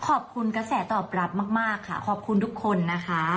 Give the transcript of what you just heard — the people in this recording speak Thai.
ขอบคุณกระแสตอบรับมากค่ะขอบคุณทุกคนนะคะ